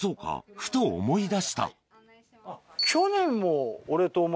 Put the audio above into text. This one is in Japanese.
ふと思い出した去年も。